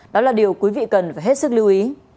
đó là điều quý vị cần phải hết sức lưu ý